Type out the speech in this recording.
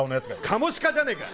カモシカじゃねえか！